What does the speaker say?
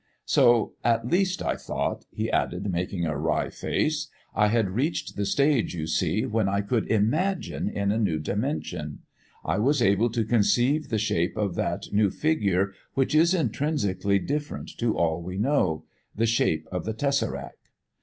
"So, at least, I thought," he added, making a wry face. "I had reached the stage, you see, when I could imagine in a new dimension. I was able to conceive the shape of that new figure which is intrinsically different to all we know the shape of the tessaract.